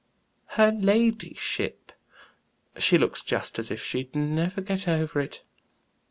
"Her ladyship. She looks just as if she'd never get over it."